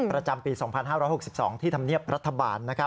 ประจำปี๒๕๖๒ที่ธรรมเนียบรัฐบาล